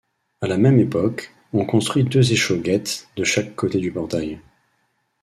À la même époque, on construit deux échauguettes de chaque côté du portail.